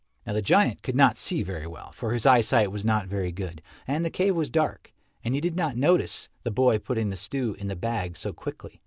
Now the giant could not see very well, for his eyesight was not very good, and the cave was dark, and he did not notice the boy putting the stew in the bag so quickly.